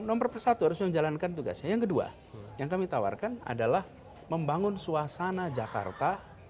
nomor persatu harus menjalankan tugasnya yang kedua yang kami tawarkan adalah membangun suasana jakarta